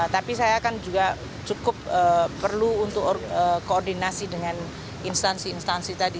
tapi saya kan juga cukup perlu untuk koordinasi dengan instansi instansi tadi